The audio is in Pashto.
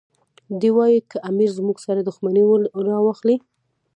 دی وایي که امیر زموږ سره دښمني راواخلي.